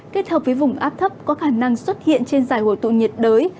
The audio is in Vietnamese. kết hợp với vùng áp thấp có khả năng xuất hiện trên dài hồ tụ nhiệt đới